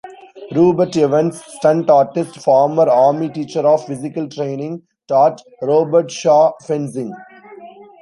Rupert Evans, stunt artist, former army teacher of physical training taught Robert Shaw fencing.